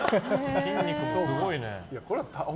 筋肉もすごいね。